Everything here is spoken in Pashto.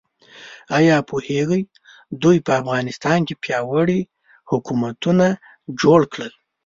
ایا پوهیږئ دوی په افغانستان کې پیاوړي حکومتونه جوړ کړل؟